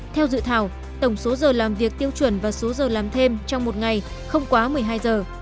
theo dự thảo tổng số giờ làm việc tiêu chuẩn và số giờ làm thêm trong một ngày không quá một mươi hai giờ